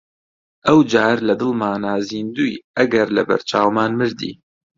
ئەو جار لە دڵمانا زیندووی ئەگەر لەبەر چاومان مردی!